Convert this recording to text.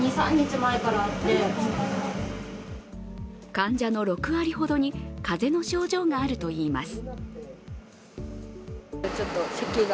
患者の６割ほどに風邪の症状があるといいます。